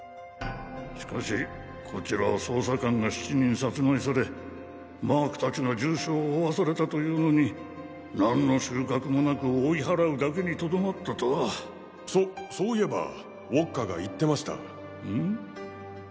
しかしこちらは捜査官が７人殺害されマーク達が重傷を負わされたというのに何の収穫もなく追い払うだけに留まったとはそそういえばウォッカがん？